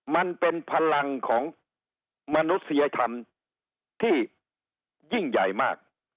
มันเป็นพลังของมนุษยธรรมที่ยิ่งใหญ่มาก